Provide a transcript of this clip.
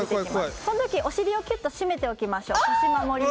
この時お尻をキュッと締めておきましょう。